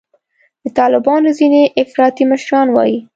د طالبانو ځیني افراطي مشران وایي